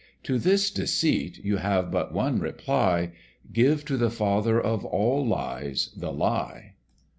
To this deceit you have but one reply, Give to the Father of all Lies the lie.